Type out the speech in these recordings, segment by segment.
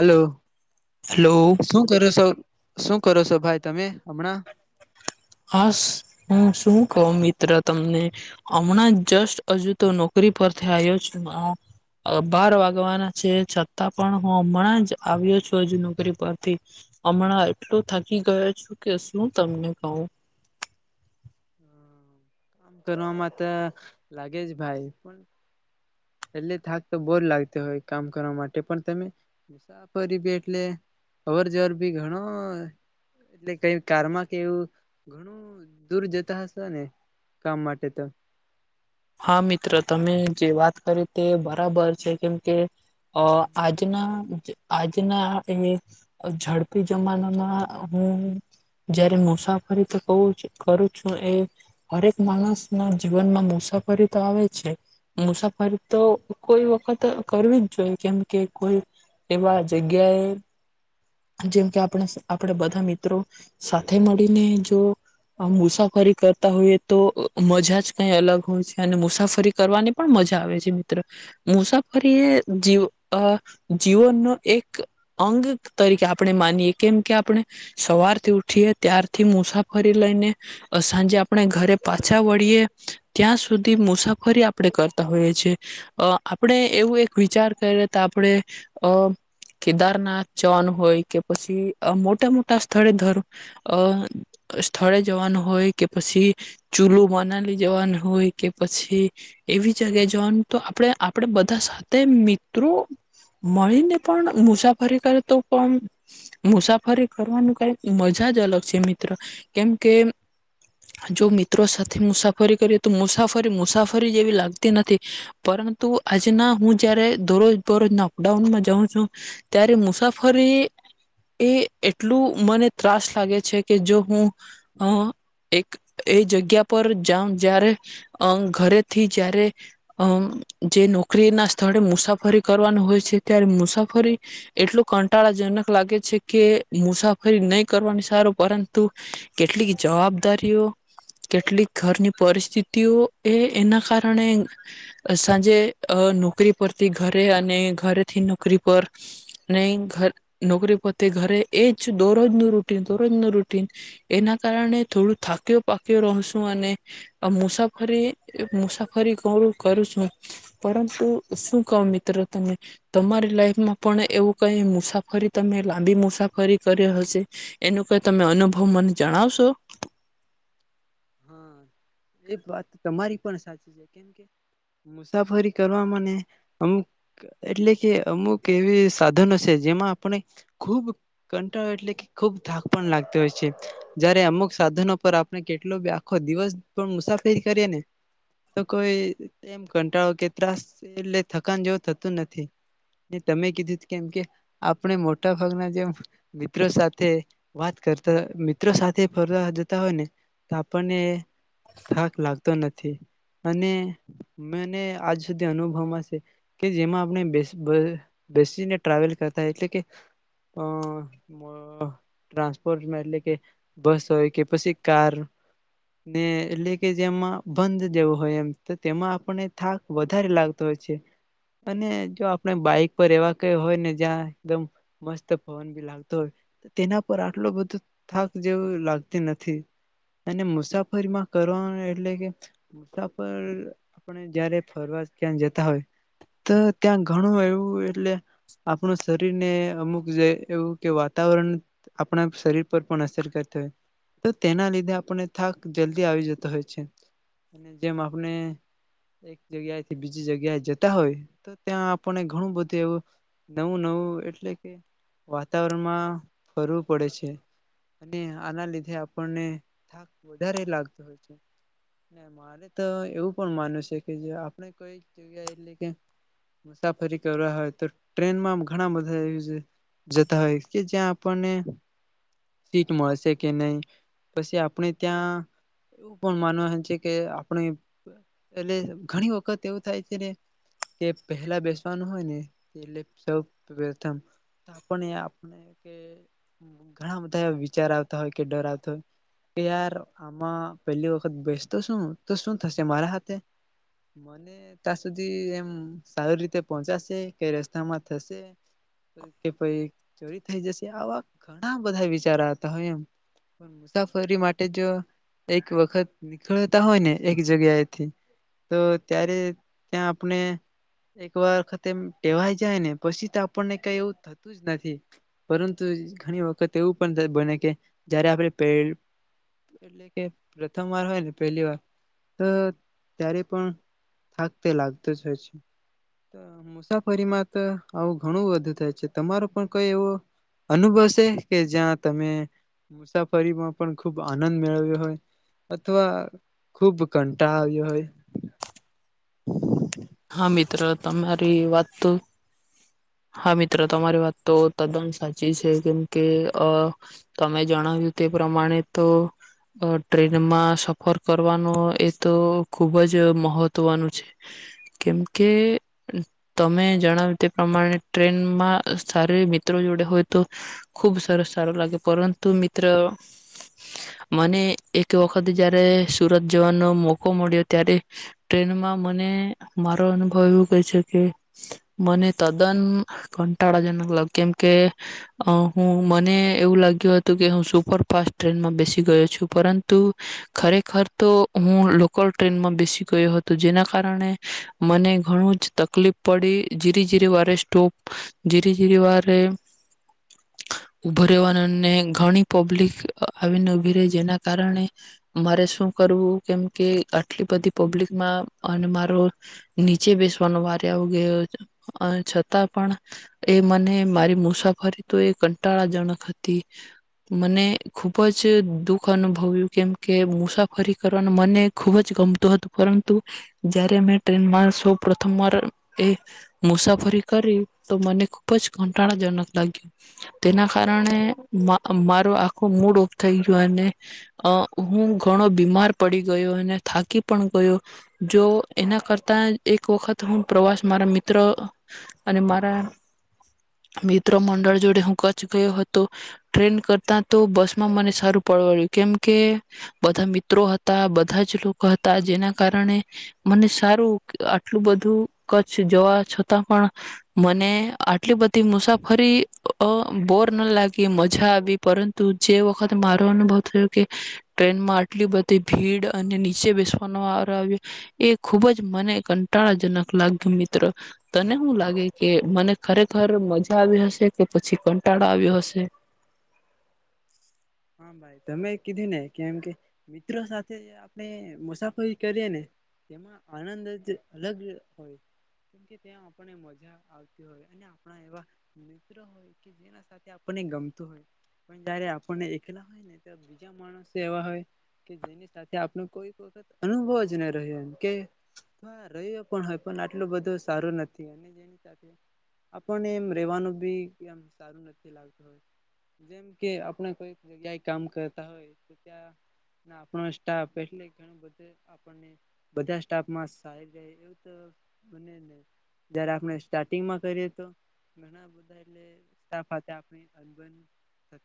Hello hello શું કરો સો. શું કરો સો, ભાઈ તમે હમણાં. હાશ, હું શું કહું મિત્ર તમને હમણાં જ જસ્ટ હજુ તો નોકરી પરથી આયો છું, બાર વાગવાના છે છતાં પણ હું હમણાં જ આવ્યો છું હજુ નોકરી પરથી, હમણાં એટલો થકી ગયો છું કે શું તમને કહું. કરવામાં તો લાગે જ ભાઈ પણ. એટલે થાક તો બોજ લાગતો હોય કામ કરવા માટે પણ તમે મુસાફરી બી એટલે અવર જવર ભી ઘણો એટલે કઈ કારમાં કે એવું ઘણું દૂર જતા હશો ને કામ માટે તો. હા મિત્ર તમે જે વાત કરી તે બરાબર છે કેમ કે... અ આજના... આજના એ ઝડપી જમાનામાં હું જયારે મુસાફરી તો બોજ કરું છું, એ હરેક માણસ ના જીવનમાં મુસાફરી... ફરી તો આવે જ છે, મુસાફરી તો કોઈ વખત કરવી જ જોઈએ કેમકે કોઈ એવા જગ્યાએ... જેમ કે આપણે આપણે બધા મિત્રો સાથે મળીને જો મુસાફરી કરતા હોઈએ તો મજા જ કઈ અલગ હોય છે, અને મુસાફરી કરવાની પણ મજા આવે છે, મિત્રો મુસાફરી એ જ જીવનનો એક અંગ... તરીકે આપણે માનીએ કેમ કે આપણે સવારથી ઉઠીએ ત્યારથી મુસાફરી લઈને સાંજે આપણે ઘરે પાછા વળીએ ત્યાં સુધી મુસાફરી આપણે કરતા હોઈએ છીએ, અ આપણે એવું એક વિચાર કરીએ તો આપણે અ કેદારનાથ... જવાનું હોય કે પછી મોટા મોટા સ્થળે ધર અ સ્થળે જવાનું હોય કે પછી ચુલુ મનાલી જવાનું હોય કે પછી એવી જગ્યાએ જવાનું તો આપણે આપડે બધા સાથે મિત્રો મળીને પણ મુસાફરી કરે... તો પણ મુસાફરી કરવાનું કઈક મજા જ અલગ છે, મિત્ર કેમકે જો મિત્રો સાથે મુસાફરી કરીએ તો મુસાફરી મુસાફરી જેવી લાગતી નથી, પરંતુ આજના હું જયારે દરોજ દરરોજ ના અપડાઉનમાં જાઉં છું ત્યારે મુસાફ ફરી એ એટલું મને ત્રાસ લાગે છે કે જો હું અ એક એ જગ્યા પર જાવ જ્યારે અ ઘરેથી જયારે અમ જે નોકરી ના સ્થળે મુસાફરી કરવાનું હોય છે ત્યારે મુસાફરી એટલું... કંટાળાજનક લાગે છે કે મુસાફરી નહી કરવાની સારું પરંતુ કેટલીક જવાબદારીઓ કેટલીક ઘરની પરિસ્થિતિઓ એ એના કારણે સાંજે નોકરી પરથી ઘરે અને ઘરેથી નોકરી પર... નોકરી પરથી ઘરે એ જ દોરોજનું રૂટીન દોરોજનું રૂટીન એના કારણે થોડું થાક્યો પાક્યો રહશું અને મુસાફરી મુસાફરી હું કરું છું પરંતુ શું કહો મિત્રો તમે તમારી લાઈફમાં પણ એવું... કઈ મુસાફરી તમે લાંબી મુસાફરી કરે હશે એનું કઈ તમે અનુભવ મને જણાવશો. હા એ વાત તમારી પણ સાચી છે કેમ કે મુસાફરી કરવામાને અમુક એટલે કે અમુક એવી સાધનો છે જેમાં આપણે ખૂબ કંટાળો એટલે કે ખૂબ થાક પણ લાગતી હોય છે, જયારે અમુક સાધનો પર આપણે કેટ કેટલો બી આખો દિવસ પણ મુસાફરી કરીએ ને તો કોઈ એમ કંટાળો કે ત્રાસ એટલે થકાન જેવું થતું નથી, તમે કીધું કેમ કે આપણે મોટા ભાગના જેમ મિત્રો સાથે વાત કરતા, મિત્રો સાથે ફરવા જતા હોય ને... આપણને થાક લાગતો નથી, અને મને આજ સુધી અનુભવમાં છે, કે જેમાં આપણે બે બેસીને ટ્રાવેલ કરતા એટલે કે અ વ ટ્રાન્સપોર્ટમાં એટલે કે બસ હોય કે પછી કાર... ને એટલે કે જેમાં બંધ જેવો હોય એમ તો તેમાં આપણને થાક વધારે લાગતો હોય છે, અને જો આપણે બાઈક પર એવા ક હોય ને જ્યાં એકદમ મસ્ત પવન બી લાગતો હોય, તેના પર આટલો બધો થાક જેવું લાગતી નથી. અને મુસાફરીમાં કરવાનું એટલે કે મુસાફર આપણે જયારે ફરવા ક્યાં જતા હોય તો ત્યાં ઘણું એવું એટલે આપણું શરીરને અમુક જે એવું કે વાતાવરણ આપણા શરીર પર પણ અસર કરતા હોય તો તેના લીધે આ આપણને થાક જલ્દી આવી જતો હોય છે, જેમ આપણે એક જગ્યાએથી બીજી જગ્યાએ જતા હોય તો ત્યાં આપણને ઘણું બધું એવું નવું નવું એટલે કે વાતાવરણમાં ફરવું પડે છે, અને આના લીધે આપણને... વધારે લાગતો હોય છે, મારે તો એવું પણ માનું છે કે જો આપણે કોઈક જગ્યા એટલે કે મુસાફરી કરવા હોય તો ટ્રેનમાં ઘણા બધા જતા હોય કે જ્યાં આપણને સીટ મળશે કે નહી... પછી આપણે ત્યાં એવું પણ માનવા છે કે આપણે એટલે ઘણી વખત એવું થાય છે ને કે પહેલા બેસવાનું હોય ને એટલે સૌ પ્રથમ આપણે આપ ઘણા બધા વિચાર આવતા હોય કે ડર આવતા હોય... કે યાર આમાં પેલી વખત બેસતો શું તો શું થશે મારા હાથે, મને ત્યાં સુધી એમ સારી રીતે પહોંચાશે કઈ રસ્તામાં થશે કે પ ચોરી થઈ જશે આવા ઘણા બધા વિચાર આવતા હોય એમ... મુસાફરી માટે જો એક વખત નીકળતા હોય ને, એક જગ્યાએથી તો ત્યારે ત્યાં આપણે એક વખતે એમ ટેવાય જાય ને પછી તો આપણને કઈ એવું થતું જ નથી, પરંતુ ઘણી વખત એવું પણ બને કે જયારે આપણે... પેડ એટલે કે પ્રથમ વાર હોય ને પહેલી વાર તો ત્યારે પણ થાક તે લાગતું જ હોય છે, મુસાફરીમાં તો આવું ઘણું વધુ થાય છે તમારો પણ કઈ એવો અનુભવ સે કે જ્યાં તમે મુસાફ ફરીમાં પણ ખૂબ આનંદ મેળવ્યો હોય, અથવા ખુબ કંટાળ આવ્યો હોય. [inaudible] હ મિત્ર તમારી વાત તો... હા મિત્ર તમારી વાત તો તદ્દન સાચી છે, કેમ કે અ તમે જણાવ્યું તે પ્રમાણે તો ટ્રેનમાં સફર કરવાનો એ તો ખુબ જ મહત્વનું છે, કેમ કે તમે જણાવ્યું તે પ્રમાણે... ટ્રેનમાં સારી મિત્રો જોડે હોય તો ખુબ સરસ સારો લાગે, પરંતુ મિત્ર મને એક વખત જયારે સુરત જવાનો મોકો મળ્યો ત્યારે ટ્રેનમાં મને મારો અનુભવ એવું કહે છે કે મને ત કંટાળાજનક લાગ કેમકે હું મને એવું લાગ્યું હતું કે હું સુપરફાસ્ટ ટ્રેનમાં બેસી ગયો છું, પરંતુ ખરેખર તો હું લોકલ ટ્રેનમાં બેસી ગયો હતો, જેના કારણે મને ઘણું જ તકલીફ પડી જીરી જીરી વાત... સ્ટોપ જીરે જીરી વારે ઉભો રહેવાનો અને ઘણી પબ્લિક આવીને ઉભી રેય, જેના કારણે મારે શું કરવું કેમ કે આટલી બધી પબ્લિકમાં અને મારો નીચે બેસવાનો વારો આવ ગયો, છ પણ એ મને મારી મુસાફરી તો એ કંટાળા જણક હતી, મને ખુબ જ દુઃખ અનુભવ્યું કેમકે મુસાફરી કરવાનું મને ખુબ જ ગમતું હતું, પરંતુ જયારે મેં ટ્રેનમાં સૌ પ્રથમ વાર એ મુસાફરી... કરી તો મને ખુબ જ કંટાળાજનક લાગ્યું, તેના કારણે મા મારો આખો મૂડ ઓફ થઈ ગયો, અને હું ઘણો બીમાર પડી ગયો અને થાકી પણ ગયો, જો એના કરતા એક વખત હું પ્રવાસ મારા મિત્ર... અને મારા મિત્ર મંડળ જોડે હું કચ્છ ગયો હતો, ટ્રેન કરતા તો બસમાં મને સારું પળવડ્યું, કેમ કે બધા મિત્રો હતા બધા જ લોકો હતા, જેના કારણે મને સારું આટલું બધું કચ્છ જવા છ પણ મને આટલી બધી મુસાફરી અ બોર ના લાગી, મજા આવી પરંતુ જે વખત મારો અનુભવ થયો કે ટ્રેનમાં આટલી બધી ભીડ અને નીચે બેસવાનો વારો આવ્યો એ ખુબ જ મને કંટાળાજનક લાગ્યું મિત્ર. તને હુ લાગે કે મને ખરેખર મજા આવી હશે કે પછી કંટાળો આવ્યો હશે? હા ભાઈ તમે એ કીધી ને કેમ કે મિત્ર સાથે આપણે મુસાફરી કરીએ ને, તેમાં આનંદ જ અલગ હોય કેમકે ત્યાં આપને મજા આવતી હોય અને આપણા એવા મિત્ર હોય કે જેના સાથે આપણને ગમતું હોય પણ જયારે આપણને [inaudible] બીજા માણસો એવા હોય કે જેની સાથે આપને કોઈક [inaudible] અનુભવ જ ન રહ્યો, કે રહ્યો પણ હોય પણ આટલો બધો સારું નથી [inaudible] આપણને એમ રેવાનું બી એમ સારું નથી લાગતું હોય, જેમ કે આપણે કોઈ ત્યાં કામ કરતા હોય તો ત્યાં [inaudible] સ્ટાફ એટલે [inaudible] બધા આપર્ણે સ્ટાફમાં સાઈબે એવુ તો બનેજ નઈ, જ્યારે આપેડે સ્ટાર્ટિગમાં કરીએ તો ગના બધા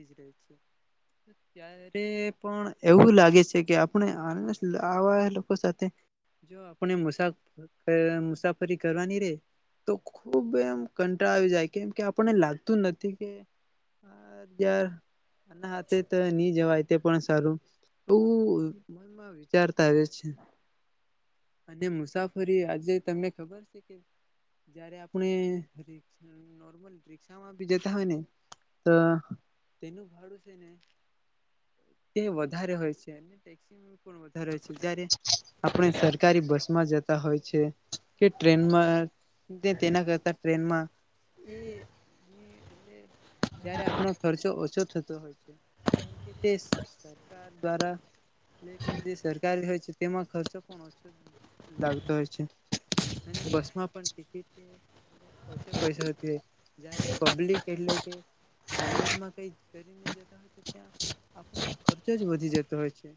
એટલે [unintelligible] ત્યારે પણ એવું લાગે છે કે આપને [inaudible] આવા લોકો સાથે જો આપણે મુસાફર મુસાફરી કરવાની રે તો ખુબ એમ કંટાળ આવી જાય કેમ કે આપને લાગતું નથી કે [inaudible] જાર ના તે તો ની જવાય. તે પણ સારું તુ એવું મનમાં વિચારતા રે છે અને મુસાફરી આજે તમને ખબર છે કે જયારે આપણે રિક્ષા નોર્મલ રિક્ષામા બી જતા હોય ને તો તેનું ભાડું છે ને તે વધારે હોય છે, અને ટેક્સી ની પણ વધારે છે, જ્યારે આપણે સરકારી બસમાં જ તા હોય છે, કે ટ્રેનમાં તેના કરતા ટ્રેનમાં એ ત્યારે આપણો ખર્ચો ઓછો થ તો હોય છે, કેમ કે તે સરકાર દ્વારા લે કે જે સરકાર હોય છે તેમાં ખર્ચો પણ ઓછો લાગતો હોય છે, અને બસમાં પણ ટિકિટ [inaudible] ઓછ પૈસાતી હોય જ્યારે પબ્લિક એટલે કે પ્રાઈવેટમાં કઈ કરીને જતા હોય તો ત્યાં આપણનો ખર્ચો જ વધી જતો હોય છે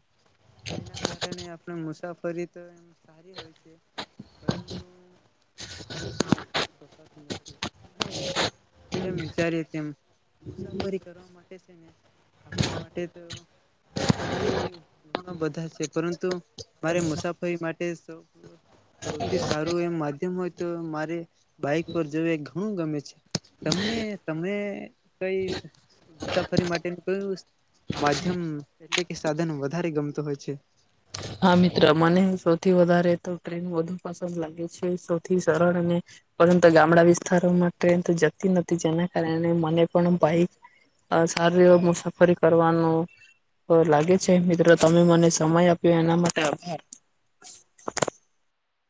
જેના કારણે આપણે મુસાફરી તો એમ સારી હોય છે પરંતુ ખર્ચમાં [inaudible] નથી. અને જેમ વિચારીએ તેમ મુસાફરી કરવા માટે [inaudible] આપણી માટે તો એવું ઘણો બધા છે પરંતુ મારે મુસાફરી મા તે સો સૌથી સારું એમ માધ્યમ હોય તો મારે બાઈક પર જોવે ઘણું ગમે છે. તમને તમે કઈ મુસાફરી માટે કયુ માધ્યમ એટલે કે સાધન વધારે ગમતું હોય છે? હા મિત્ર મને સૌથી વધારે તો ટ્રેન વધુ પસંદ લાગે છે, સૌથી સરળ અને પરંતુ ગામડા વિસ્તારોમાં ટ્રેન તો જતી નથી, જેના કારણે મને પણ બાઈક સારી એ મુસાફરી કરવાનો લાગે છે મિત્ર તમે મને સમય આ પ્યો એના માટે આભાર.